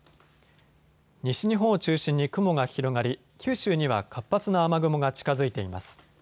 西日本を中心に雲が広がり九州には活発な雨雲が近づいています。